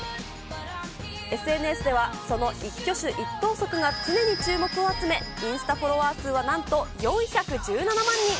ＳＮＳではその一挙手一投足が常に注目を集め、インスタフォロワー数は４１７万人。